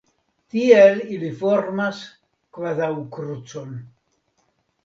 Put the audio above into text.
Tiel ili formas kvazaŭ krucon.